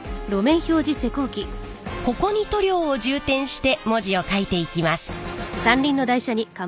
ここに塗料を充填して文字をかいていきます。